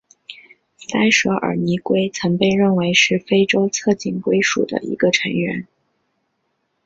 塞舌耳泥龟曾被认为是非洲侧颈龟属的一个成员。